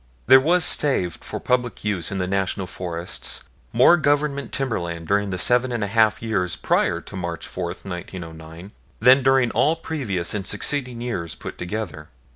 There was saved for public use in the National Forests more Government timberland during the seven and a half years prior to March 4, 1909, than during all previous and succeeding years put together.